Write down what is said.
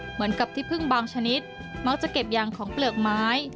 เหมือนกับที่พึ่งบางชนิดมักจะเก็บยางของเปลือกไม้